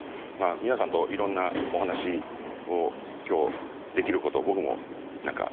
皆さんといろんなお話を今日できることを僕も何かすごく楽しみにしてます。